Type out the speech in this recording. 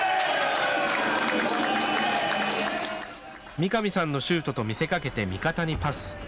三上さんのシュートと見せかけて味方にパス。